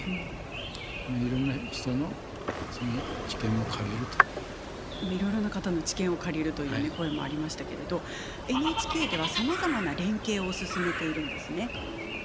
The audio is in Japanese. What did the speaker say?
やっぱりいろいろな方の知見を借りるという声もありましたけれどＮＨＫではさまざまな連携を進めているんですね。